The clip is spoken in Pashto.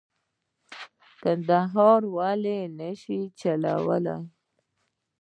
کندهار ولې نه شي چلولای.